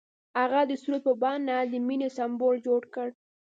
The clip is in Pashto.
هغه د سرود په بڼه د مینې سمبول جوړ کړ.